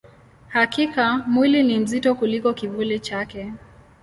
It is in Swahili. Hakika, mwili ni mzito kuliko kivuli chake.